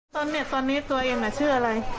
ตอนนี้ตัวเองชื่ออะไร